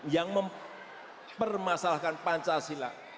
yang mempermasalahkan pancasila